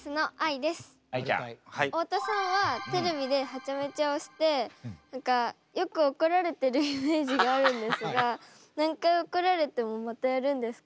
太田さんはテレビではちゃめちゃをして何かよく怒られてるイメージがあるんですが何回怒られてもまたやるんですか？